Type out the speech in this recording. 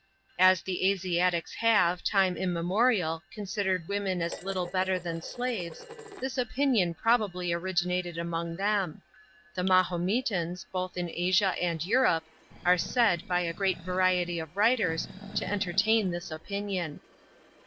As the Asiatics have, time immemorial, considered women as little better than slaves, this opinion probably originated among them. The Mahometans, both in Asia and Europe, are said, by a great variety of writers, to entertain this opinion.